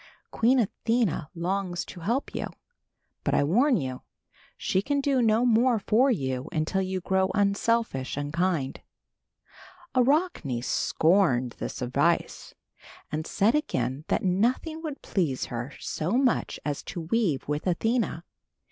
"Queen Athena longs to help you. "But I warn you. She can do no more for you until you grow unselfish and kind." Arachne scorned this advice and said again that nothing would please her so much as to weave with Athena.